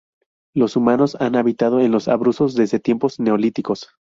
Los humanos han habitado en los Abruzos desde tiempos neolíticos.